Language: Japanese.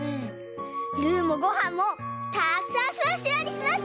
ルーもごはんもたくさんしわしわにしました！